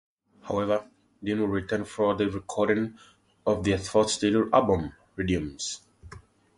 However, Dean would return for the recording of their fourth studio album, "Redimus".